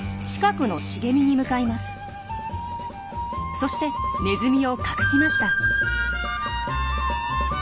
そしてネズミを隠しました。